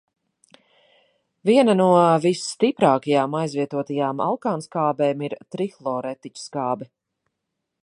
Viena no visstiprākajām aizvietotajām alkānskābēm ir trihloretiķskābe.